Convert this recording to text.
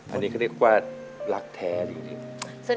อันนี้เขาเรียกว่ารักแท้จริง